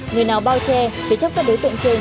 người nào bao che chế chấp các đối tượng trên